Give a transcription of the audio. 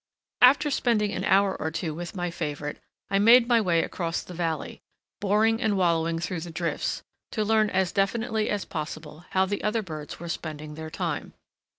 After spending an hour or two with my favorite, I made my way across the valley, boring and wallowing through the drifts, to learn as definitely as possible how the other birds were spending their time.